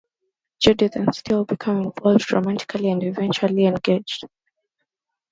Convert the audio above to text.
Judith and Steele become involved romantically and eventually engaged.